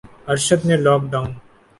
ارشد نے lock down